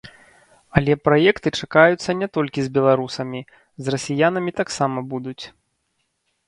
Але праекты чакаюцца не толькі з беларусамі, з расіянамі таксама будуць.